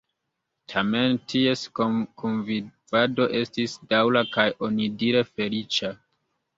Tamen ties kunvivado estis daŭra kaj onidire feliĉa.